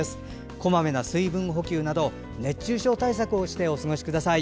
こまめな水分補給など熱中症対策をしてお過ごしください。